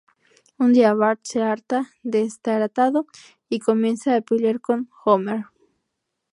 Un día, Bart se harta de estar atado, y comienza a pelear con Homer.